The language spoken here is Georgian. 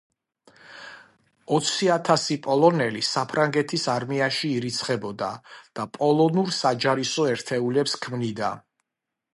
ოცი ათასი პოლონელი საფრანგეთის არმიაში ირიცხებოდა და პოლონურ საჯარისო ერთეულებს ქმნიდა.